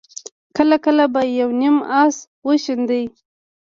کله کله به يو نيم آس وشڼېد.